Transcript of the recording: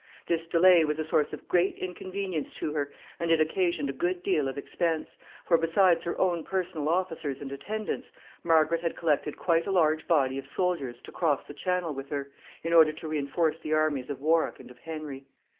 This delay was a source of great inconvenience to her, and it occasioned a good deal of expense; for, besides her own personal officers and attendants, Margaret had collected quite a large body of soldiers to cross the Channel with her, in order to re enforce the armies of Warwick and of Henry.